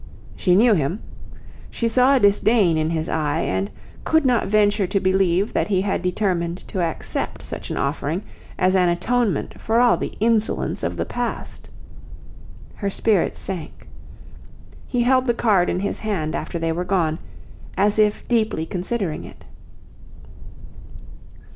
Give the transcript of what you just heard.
She knew him; she saw disdain in his eye, and could not venture to believe that he had determined to accept such an offering, as an atonement for all the insolence of the past. Her spirits sank. He held the card in his hand after they were gone, as if deeply considering it.